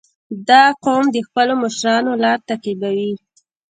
• دا قوم د خپلو مشرانو لار تعقیبوي.